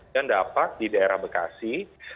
dan dapat di daerah bekasi